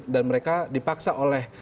dan mereka dipaksa oleh